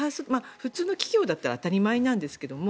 普通の企業だったら当たり前なんですけれども。